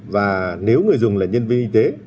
và nếu người dùng là nhân viên y tế